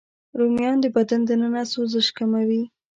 رومیان د بدن دننه سوزش کموي